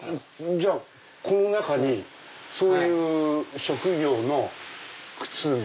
じゃあこの中にそういう職業の靴が。